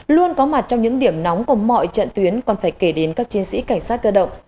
luôn có mặt trong những điểm nóng của mọi trận tuyến còn phải kể đến các chiến sĩ cảnh sát cơ động